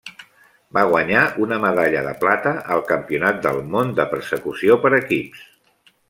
Va guanyar una medalla de plata al Campionat del món de Persecució per equips.